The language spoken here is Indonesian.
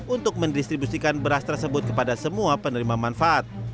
untuk mendistribusikan beras tersebut kepada semua penerima manfaat